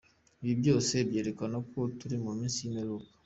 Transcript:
Ibi byose byerekana ko turi mu minsi y’imperuka.